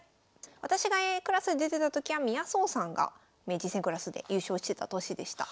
私がＡクラスで出てた時は宮宗さんが名人戦クラスで優勝してた年でした。